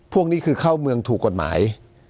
พวกนี้คือเข้าเมืองถูกกฎหมาย